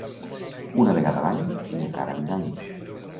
Una vegada a l'any i encara amb dany.